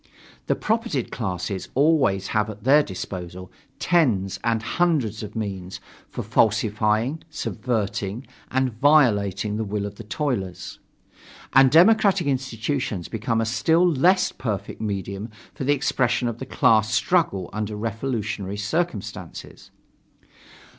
The propertied classes always have at their disposal tens and hundreds of means for falsifying, subverting and violating the will of the toilers. And democratic institutions become a still less perfect medium for the expression of the class struggle under revolutionary circumstances.